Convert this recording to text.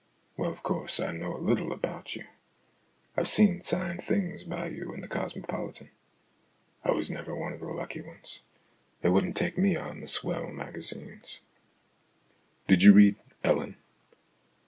" Well, of course, I know a little about you. I've seen signed things by you in The Cosmopolitan. I was never one of the lucky ones they wouldn't take me on the swell magazines." E 66 STORIES IN GREY "Did you read 'Ellen'?"